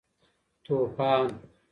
توپان